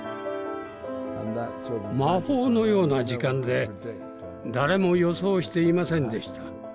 魔法のような時間で誰も予想していませんでした。